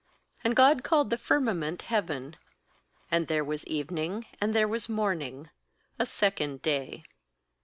8And God called the firmament Heaven. And there was evening and there was morning, a second day.